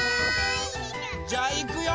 じゃいくよ！